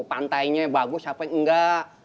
pantainya bagus apa enggak